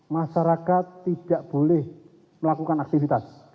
masyarakat tidak boleh melakukan aktivitas